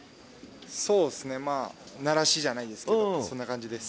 そうですね、慣らしじゃないですけど、そんな感じです。